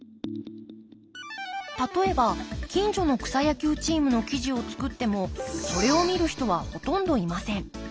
例えば近所の草野球チームの記事を作ってもそれを見る人はほとんどいません。